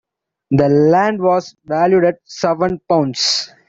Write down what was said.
The land was valued at seven pounds.